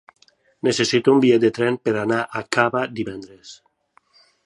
Necessito un bitllet de tren per anar a Cava divendres.